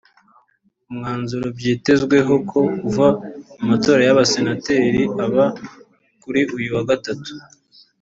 umwanzuro byitezweho ko uva mu matora y’abasenateri aba kuri uyu wa Gatatu